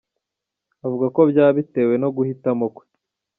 Avuga ko byaba bitewe no guhitamo kwe.